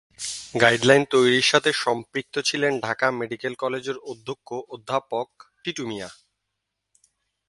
Guide line তৈরির সাথে সম্পৃক্ত ছিলেন ঢাকা মেডিকেল কলেজের অধ্যক্ষ অধ্যাপক টিটু মিয়া।